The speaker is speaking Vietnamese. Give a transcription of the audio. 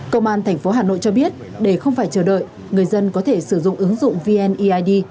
công an tp hà nội cho biết để không phải chờ đợi người dân có thể sử dụng ứng dụng vneid